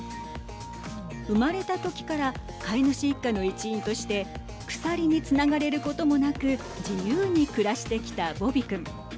生まれた時から飼い主一家の一員として鎖につながれることもなく自由に暮らしてきたボビ君。